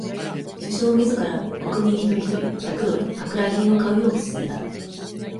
首相自ら、国民一人一人、百ドル、舶来品を買うようにすすめた。